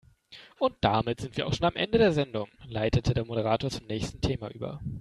Und damit sind wir auch schon am Ende der Sendung, leitete der Moderator zum nächsten Thema über.